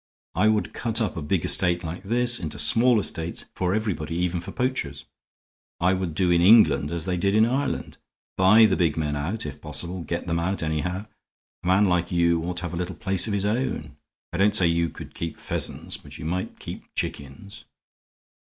I would cut up a big estate like this into small estates for everybody, even for poachers. I would do in England as they did in Ireland buy the big men out, if possible; get them out, anyhow. A man like you ought to have a little place of his own. I don't say you could keep pheasants, but you might keep chickens."